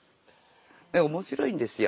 面白いんですよ